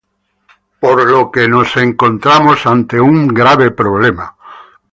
Por tanto, nos encontramos ante un grave problema.